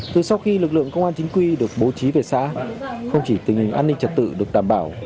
từ sau khi lực lượng công an chính quy được bố trí về xã không chỉ tình hình an ninh trật tự được đảm bảo